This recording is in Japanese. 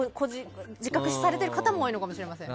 自覚されている方も多いのかもしれません。